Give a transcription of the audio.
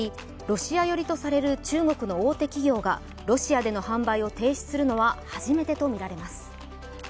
ロシア寄りとされる中国の大手企業がロシアでの販売を停止するのは初めてとみられます。